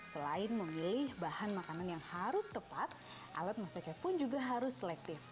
selain memilih bahan makanan yang harus tepat alat masaknya pun juga harus selektif